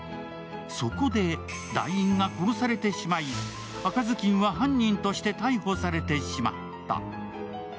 そこで団員が殺されてしまい、赤ずきんは犯人として逮捕されてしまった。